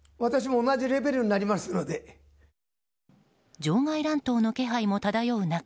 場外乱闘の気配も漂う中